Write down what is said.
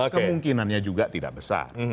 kemungkinannya juga tidak besar